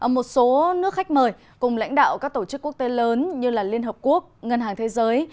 một số nước khách mời cùng lãnh đạo các tổ chức quốc tế lớn như liên hợp quốc ngân hàng thế giới